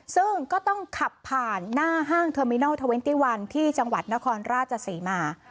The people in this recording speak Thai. ซึ่งก็ต้องขับผ่านหน้าห้างเทอร์มินอลเทอร์เวนตี้วันที่จังหวัดนครราชศรีมา